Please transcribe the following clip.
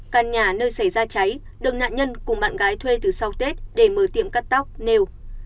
căn nhà nơi xảy ra cháy được nạn nhân cùng bạn gái thuê từ sau tết để mở tiệm cắt tóc nêu